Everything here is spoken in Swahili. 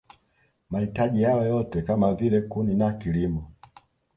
Mahitaji yao yote kama vile kuni na kilimo